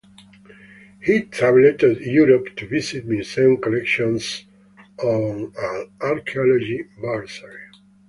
He travelled to Europe to visit museum collections on an archaeology bursary.